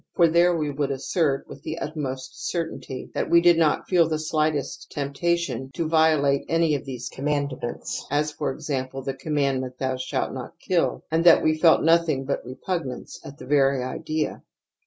For there we would assert with the utmost certainty that we did not feel the slightest temptation to violate any of these commandments, as for example, the com mandment : Thou shalt not kill, and that we felt nothing but repugnance at the very idea.